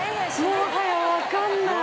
もはや分からない。